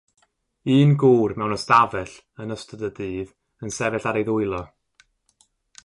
Un gŵr mewn ystafell yn ystod y dydd yn sefyll ar ei ddwylo.